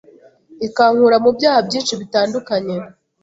ikankura mu byaha byinshi bitandukanye,